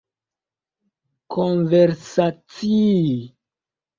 konversacii